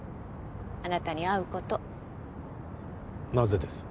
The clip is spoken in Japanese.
あなたに会うことなぜです？